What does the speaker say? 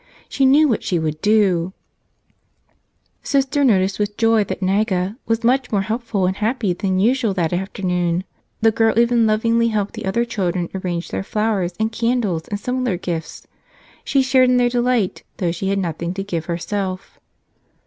She knew what she would do ! Sister noticed with joy that Naga was much more helpful and happy than usual that afternoon. The girl even lovingly helped the other children arrange their flowers and candles and similar gifts; she shared in their delight, though she had nothing to give herself.